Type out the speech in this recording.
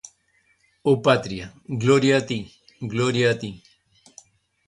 ¡Oh Patria! ¡gloria a ti! ¡gloria a ti!